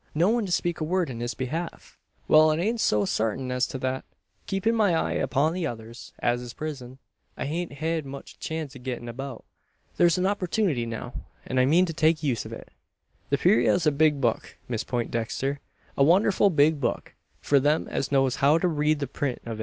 No one to speak a word in his behalf!" "Wal, it ain't so sartint as to thet. Keepin' my eye upon the others, an his prison; I hain't hed much chance o' gettin' abeout. Thur's a opportunity now; an I mean to make use o' it. The purayra's a big book, Miss Peintdexter a wonderful big book for them as knows how to read the print o't.